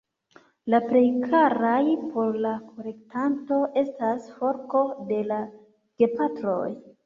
La plej karaj por la kolektanto estas forko de la gepatroj.